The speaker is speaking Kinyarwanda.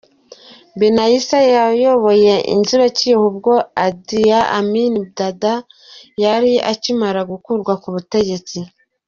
Binaisa yayoboye inzibacyuho ubwo Idia Amin dada yari akimara gukurwa ku butegetsi.